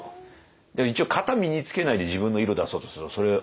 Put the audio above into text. でも一応型身につけないで自分の色出そうとするとそれね。